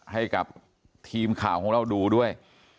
ให้กับทีมข่าวของเราดูด้วย